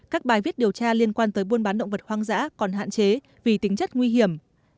các bài viết điều tra liên quan tới buôn bán động vật hoang dã còn hạn chế vì tính chất nguy hiểm